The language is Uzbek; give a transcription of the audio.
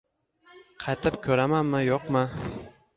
Qaytib ko`ramanmi, yo`qmi